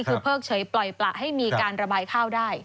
คือเพิกเฉยปล่อยประให้มีการระบายข้าวได้